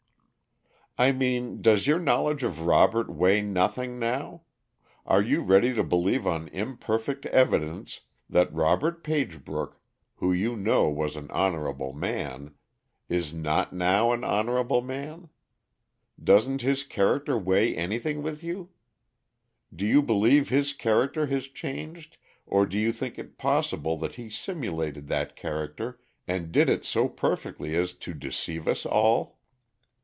"I mean does your knowledge of Robert weigh nothing now? Are you ready to believe on imperfect evidence, that Robert Pagebrook, who you know was an honorable man, is not now an honorable man? Doesn't his character weigh anything with you? Do you believe his character has changed, or do you think it possible that he simulated that character and did it so perfectly as to deceive us all?